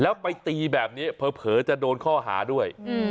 แล้วไปตีแบบนี้เผลอจะโดนข้อหาด้วย